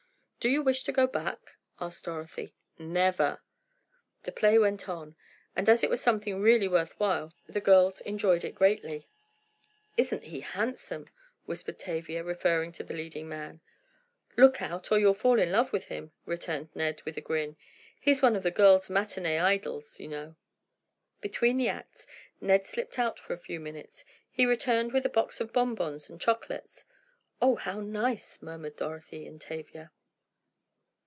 "Do you wish to go back?" asked Dorothy. "Never!" The play went on, and as it was something really worth while, the girls enjoyed it greatly. "Isn't he handsome?" whispered Tavia, referring to the leading man. "Look out, or you'll fall in love with him," returned Ned, with a grin. "He's one of the girls' matinee idols, you know." Between the acts Ned slipped out for a few minutes. He returned with a box of bonbons and chocolates. "Oh, how nice!" murmured Dorothy and Tavia.